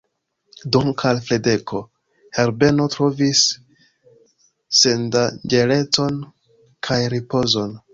Dank' al Fradeko, Herbeno trovis sendanĝerecon kaj ripozon.